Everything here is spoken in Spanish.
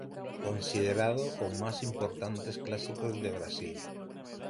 Considerado o más importantes clásicos de Brasil.